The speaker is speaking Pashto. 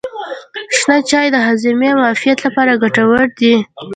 شنه چای د هاضمې او معافیت لپاره ګټور دی.